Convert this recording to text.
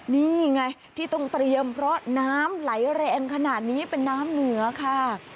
นี่ไงที่ต้องเตรียมเพราะน้ำไหลแรงขนาดนี้เป็นน้ำเหนือค่ะ